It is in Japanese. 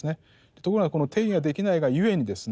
ところがこの定義ができないがゆえにですね